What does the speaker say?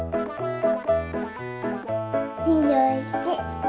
２１。